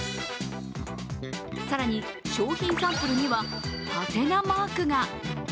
更に、商品サンプルにははてなマークが。